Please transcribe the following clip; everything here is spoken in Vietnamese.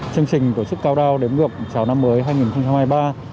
chương trình tổ chức cao đao đếm ngược chào năm mới hai nghìn hai mươi ba